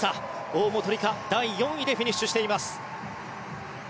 大本里佳、第４位でフィニッシュしています。